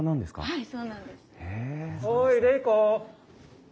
はい。